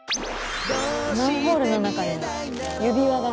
マンホールの中に指輪が。